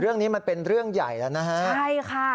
เรื่องนี้มันเป็นเรื่องใหญ่แล้วนะฮะใช่ค่ะ